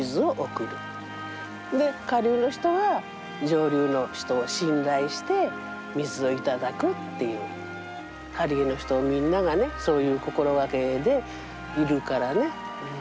下流の人は上流の人を信頼して水を頂くっていう針江の人みんながねそういう心がけでいるからね。